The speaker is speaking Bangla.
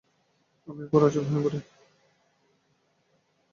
আমি পরে অচেতন হয়ে পড়ি।